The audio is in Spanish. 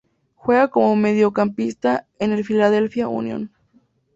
Juega como mediocampista en el Philadelphia Union.